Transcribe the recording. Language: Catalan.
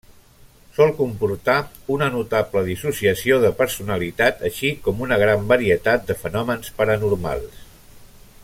Sol comportar una notable dissociació de personalitat, així com una gran varietat de fenòmens paranormals.